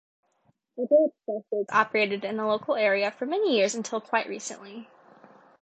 Everett's buses operated in the local area for many years until quite recently.